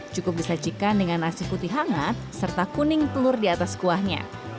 cukup disajikan dengan nasi putih hangat serta kuning telur di atas kuahnya